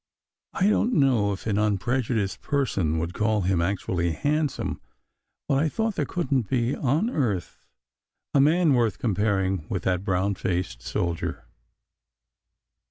I don t know if an unprejudiced person would call him actually handsome; but I thought there couldn t be on earth a man worth comparing with that brown faced soldier.